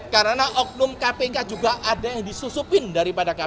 karena oknum kpk juga ada yang disusupin daripada kpk